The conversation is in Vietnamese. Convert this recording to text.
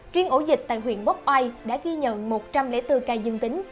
chuyên ổ dịch tại huyện quốc oai đã ghi nhận một trăm linh bốn ca dương tính